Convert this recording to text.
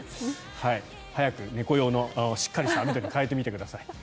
早く猫用のしっかりした網戸に替えてください。